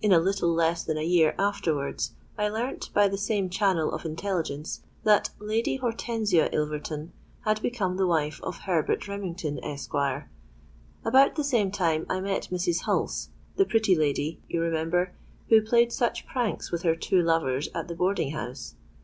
In a little less than a year afterwards, I learnt, by the same channel of intelligence, that Lady Hortensia Ilverton had become the wife of Herbert Remington, Esq. About the same time I met Mrs. Hulse—the pretty lady, you remember, who played such pranks with her two lovers at the boarding house.